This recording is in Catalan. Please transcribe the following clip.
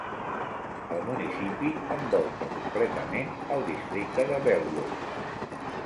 El municipi envolta completament el districte de Bellwood.